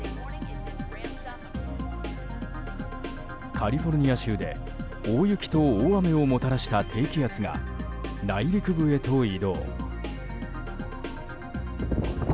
カリフォルニア州で大雪と大雨をもたらした低気圧が内陸部へと移動。